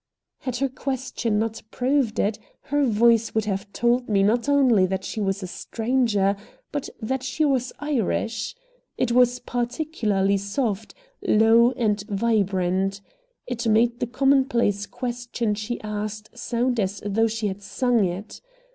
Had her question not proved it, her voice would have told me not only that she was a stranger, but that she was Irish. It was particularly soft, low, and vibrant. It made the commonplace question she asked sound as though she had sung it.